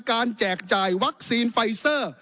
แจกจ่ายวัคซีนไฟเซอร์